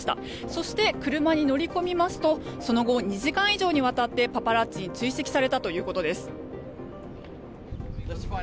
そして、車に乗り込みますとその後、２時間以上にわたってパパラッチに追跡されたということです。